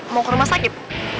mau ke rumah sakit